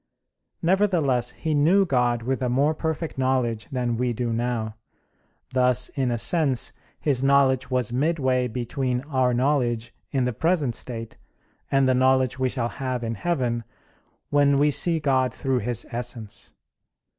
Nevertheless he knew God with a more perfect knowledge than we do now. Thus in a sense his knowledge was midway between our knowledge in the present state, and the knowledge we shall have in heaven, when we see God through His Essence.